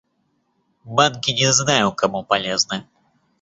Банки не знаю кому полезны.